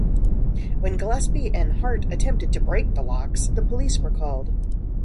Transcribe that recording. When Gillespie and Hart attempted to break the locks, the police were called.